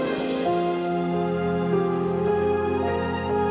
kita mau pindah lagi